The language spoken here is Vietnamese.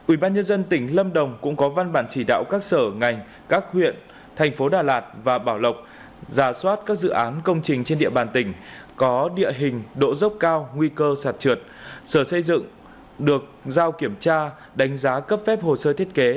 ubnd tỉnh lâm đồng cũng có văn bản chỉ đạo các sở ngành các huyện thành phố đà lạt và bảo lộc giả soát các dự án công trình trên địa bàn tỉnh có địa hình độ dốc cao nguy cơ sạt trượt sở xây dựng được giao kiểm tra đánh giá cấp phép hồ sơ thiết kế